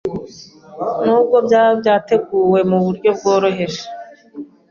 nubwo byaba ibyateguwe mu buryo bworoheje,